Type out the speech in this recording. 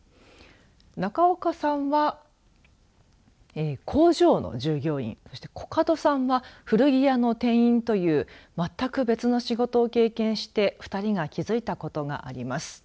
中岡さんは工場の従業員そして、コカドさんは古着屋の店員という全く別の仕事を経験して２人が気付いたことがあります。